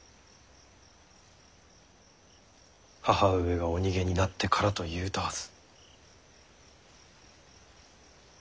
母上がお逃げになってからと言うたはず。